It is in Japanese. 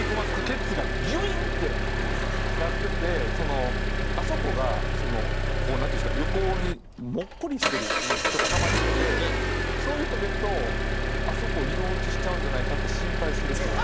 ケツがギュインってなっててあそこがそのなんていうんですか横にもっこりしてる人がたまにいててそういう人を見るとあそこ色落ちしちゃうんじゃないかって心配するっていう。